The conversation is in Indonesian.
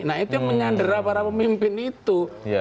nah itu yang menyandera para pemimpin itu